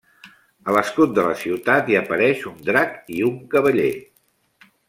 A l'escut de la ciutat hi apareix un drac i un cavaller.